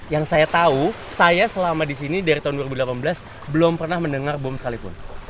yang saya tahu saya selama di sini dari tahun dua ribu delapan belas belum pernah mendengar bom sekalipun